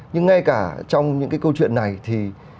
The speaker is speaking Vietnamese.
nhưng ngay cả trong những cái câu chuyện này thì